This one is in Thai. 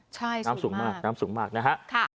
ใช่น้ำสูงมากน้ำสูงมากนะฮะ